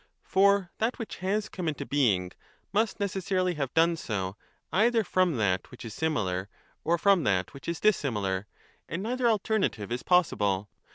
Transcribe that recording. For that which has come into being must necessarily have done so either from that which is similar or from that which is dissimilar ; and neither alternative is possible.